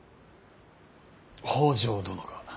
北条殿が。